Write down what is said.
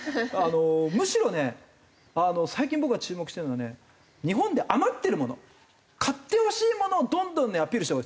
むしろね最近僕が注目してるのはね日本で余ってるもの買ってほしいものをどんどんねアピールしたほうがいい。